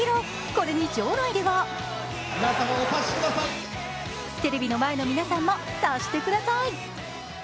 これに場内ではテレビの前の皆さんも察してください。